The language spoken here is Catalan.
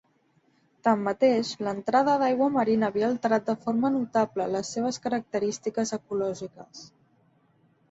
Tanmateix, l'entrada d'aigua marina havia alterat de forma notable les seves característiques ecològiques.